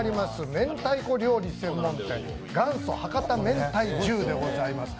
明太子料理専門店、元祖博多めんたい重・上でございます。